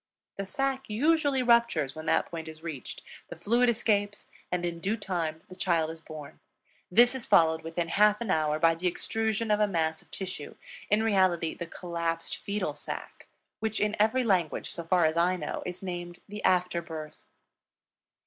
The sac usually ruptures when that point is reached, the fluid escapes, and in due time the child is born. This is followed within half an hour by the extrusion of a mass of tissue in reality the collapsed fetal sac which in every language, so far as I know, is named the After Birth.